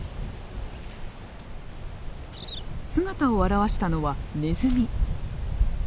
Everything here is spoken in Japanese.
姿を現したのはネズミ。